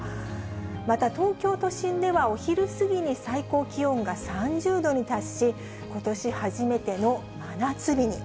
また東京都心では、お昼過ぎに最高気温が３０度に達し、ことし初めての真夏日に。